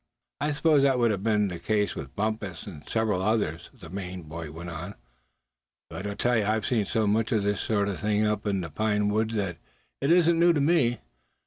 "I suppose that would have been the case with Bumpus and several others," the Maine boy went on; "but I've seen so much of this sort of thing up in the pine wood that it isn't new to me.